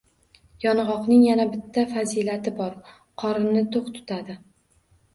Yong‘oqning yana bitta fazilati bor: qorinni to‘q tutadi.